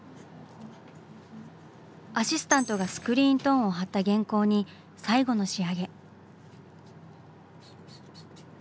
アシスタントがスクリーントーンを貼った原稿に最後の仕上げ。